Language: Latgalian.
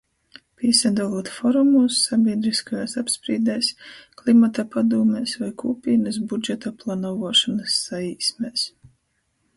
Pīsadolūt forumūs, sabīdryskajuos apsprīdēs, klimata padūmēs voi kūpīnys budžeta planavuošonys saīsmēs.